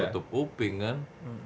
menutup kuping kan